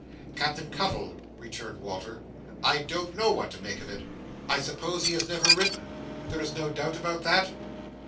"Captain Cuttle," returned Walter, "I don't know what to make of it. I suppose he never has written! There is no doubt about that?"